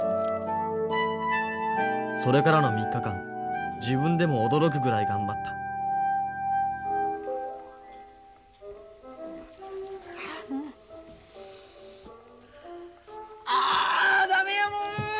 それからの３日間自分でも驚くぐらい頑張ったあダメやもう！